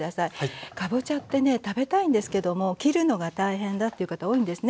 かぼちゃってね食べたいんですけども切るのが大変だっていう方多いんですね。